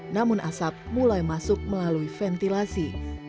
namun asap mulai masuk melalui ventilasi